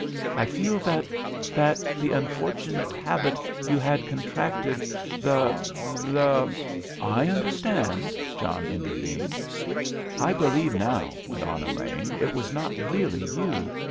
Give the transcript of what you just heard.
I feel that—that the unfortunate habit you had contracted, the—the——" "I understand," John intervened. "I believe now," went on Elaine, "it was not really you.